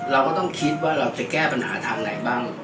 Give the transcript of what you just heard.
เราก็ต้องคิดว่าเราจะแก้ปัญหาทางไหนบ้าง